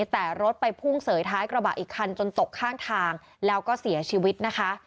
แต่รถไปพุ่งเสยท้ายกระบะอีกคันจนตกข้างทางแล้วก็เสียชีวิตนะคะ